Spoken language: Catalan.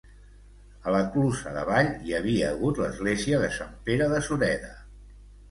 A la Clusa d'Avall hi havia hagut l'església de Sant Pere de Sureda.